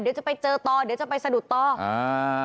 เดี๋ยวจะไปเจอต่อเดี๋ยวจะไปสะดุดต่ออ่า